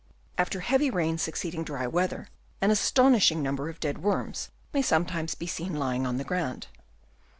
After heavy rain succeeding dry weather, an astonishing num ber of dead worms may sometimes be seen lying on the ground.